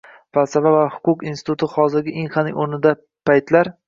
Falsafa va huquq instituti hozirgi Inxaning oʻrnida paytlar.